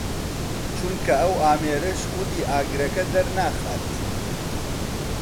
چونکە ئەو ئامێرەش خودی ئاگرەکە دەرناخات